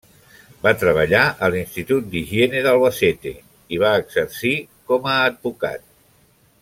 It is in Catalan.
Va treballar a l'Institut d'Higiene d'Albacete i va exercir com a advocat.